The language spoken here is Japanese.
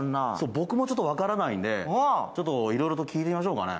僕もわからないんでちょっといろいろと聞いてみましょうかね。